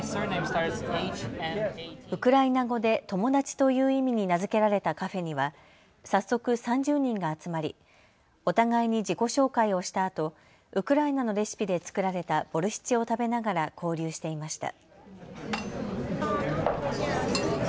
ウクライナ語で友達という意味に名付けられたカフェには早速３０人が集まりお互いに自己紹介をしたあとウクライナのレシピで作られたボルシチを食べながら交流していました。